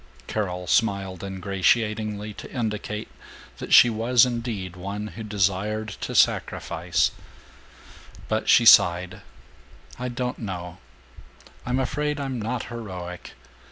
Carol smiled ingratiatingly, to indicate that she was indeed one who desired to sacrifice, but she sighed, "I don't know; I'm afraid I'm not heroic.